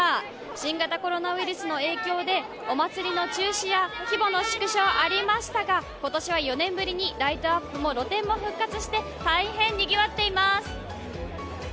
新型コロナウイルスの影響でお祭りの中止や規模の縮小ありましたが、今年は４年ぶりにライトアップも露店も復活して大変にぎわっています。